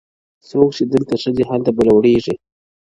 څوک چی دلته ښه دي هلته به لوړېږي-